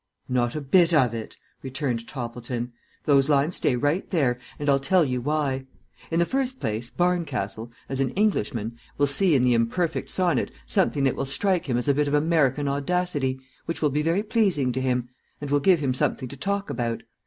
"Not a bit of it," returned Toppleton. "Those lines stay right there, and I'll tell you why. In the first place Barncastle, as an Englishman, will see in the imperfect sonnet something that will strike him as a bit of American audacity, which will be very pleasing to him, and will give him something to talk about.